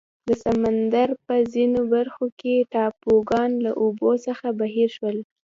د سمندر په ځینو برخو کې ټاپوګان له اوبو څخه بهر شول.